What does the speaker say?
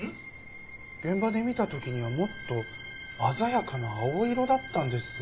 現場で見た時にはもっと鮮やかな青色だったんですが。